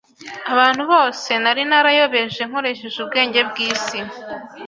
Abantu bose nari narayobeje nkoresheje ubwenge bw’isi,